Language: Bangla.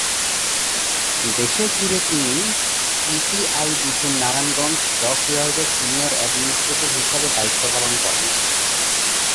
দেশে ফিরে তিনি ইপিআইডিসির নারায়ণগঞ্জ ডক ইয়ার্ডে সিনিয়র অ্যাডমিনিস্ট্রেটর হিসেবে দায়িত্ব পালন করেন।